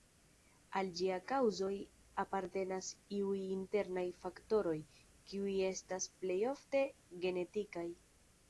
Al ĝia kaŭzoj apartenas iuj internaj faktoroj, kiuj estas plej ofte genetikaj.